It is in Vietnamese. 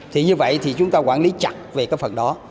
thì như vậy thì chúng ta quản lý chặt về cái phần đó